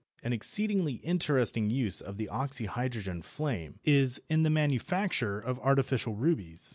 An exceedingly interesting use of the oxyhydrogen flame is in the manufacture of artificial rubies.